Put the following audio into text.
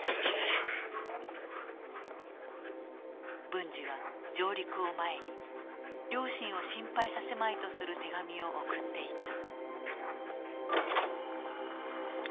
文次は上陸を前に両親を心配させまいとする手紙を送っていた。